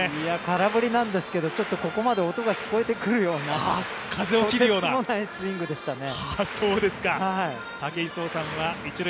空振りなんですけど、ここまで音が聞こえてくるような、とてつもないスイングでしたね。